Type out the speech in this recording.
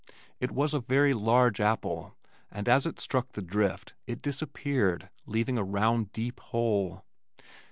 It was a very large apple, and as it struck the drift it disappeared leaving a round deep hole.